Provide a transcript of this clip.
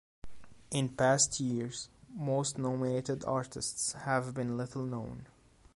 In past years most nominated artists have been little known.